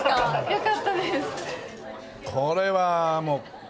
よかったです。